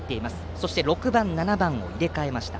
そして６番、７番を入れ替えました。